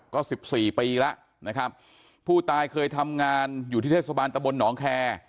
ก็สิบสี่ปีแล้วนะครับผู้ตายเคยทำงานอยู่ที่เทศบาลตะบลหนองแคร์